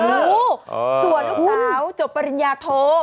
ส่วนลูกสาวจบปริญญาโท